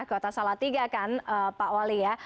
kota salatiga kan pak wali ya